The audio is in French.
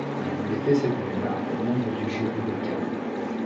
Elle était cette année-là membre du jury de Cannes.